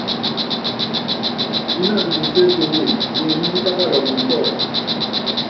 Ínanu nyi séselée, nyionyí nyípákalɔŋ ni kɔ́kú.